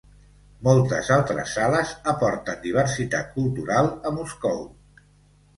Moltes altres sales aporten diversitat cultural a Moscou.